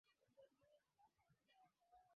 imiza ndoto hiyo katika muda mfupi ujao